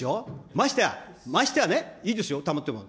ましてや、ましてはね、いいですよ、たまっても。